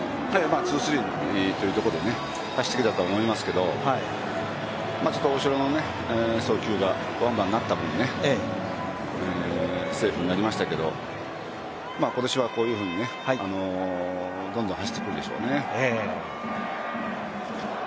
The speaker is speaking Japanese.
ツー・スリーというところで走ってきたとは思いますけど大城の送球がワンバウンドになった分、セーフになりましたけど、今年はこういうふうにどんどん走ってくるでしょうね。